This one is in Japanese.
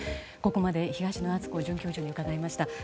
ここまで、東野篤子准教授に伺いました。